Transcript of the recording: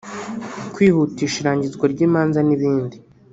kwihutisha irangizwa ry’imanza n’ibindi